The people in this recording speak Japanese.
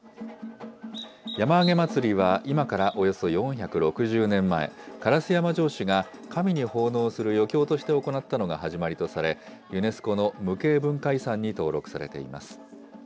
山あげ祭は今からおよそ４６０年前、烏山城主が神に奉納する余興として行ったのが始まりとされ、ユネスコの無形文化遺産に登録されています。